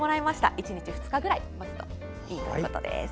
１日、２日くらい待つといいということです。